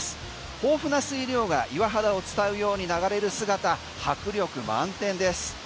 豊富な水量が岩肌を使うように流れる姿、迫力満点です。